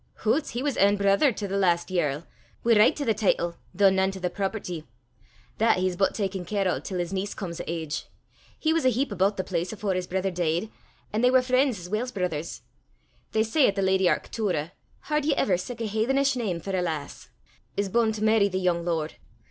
"Hoots! he was ain brither to the last yerl, wi' richt to the teetle, though nane to the property. That he's but takin' care o' till his niece come o' age. He was a heap aboot the place afore his brither dee'd, an' they war freen's as weel 's brithers. They say 'at the lady Arctoora h'ard ye ever sic a hathenish name for a lass! is b'un' to merry the yoong lord.